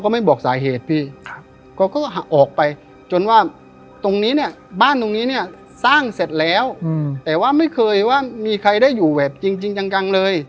มีใครได้อยู่แบบจริงจังกังเลย